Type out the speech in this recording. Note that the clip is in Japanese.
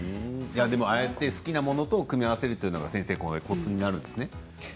あやって好きなものと組み合わせるのがコツになるんですね。